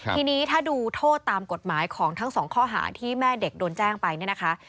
ทีนี้ถ้าดูโทษตามกฎหมายของทั้งสองข้อหาที่แม่เด็กโดนแจ้งไปเนี่ยนะคะ